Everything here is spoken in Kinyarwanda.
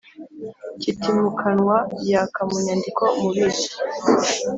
kitimukanwa yaka mu nyandiko Umubitsi